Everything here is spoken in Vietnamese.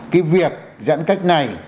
cái việc dẫn cách này